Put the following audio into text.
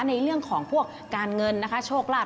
ในเรื่องของพวกการเงินนะคะโชคลาภ